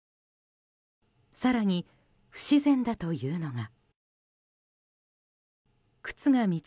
更に、不自然だというのが。